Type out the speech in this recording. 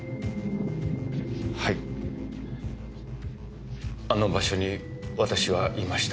はいあの場所に私はいました。